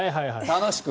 楽しく。